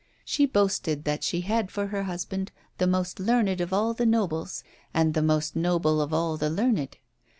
She boasted that she had for her husband the most learned of all the nobles, and the most noble of all the learned.